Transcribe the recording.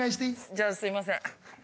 じゃあすいません。